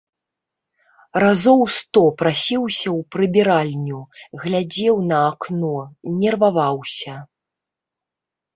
Разоў сто прасіўся ў прыбіральню, глядзеў на акно, нерваваўся.